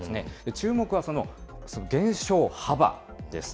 注目はその減少幅です。